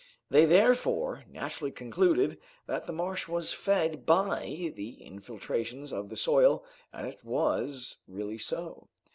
They therefore naturally concluded that the marsh was fed by the infiltrations of the soil and it was really so.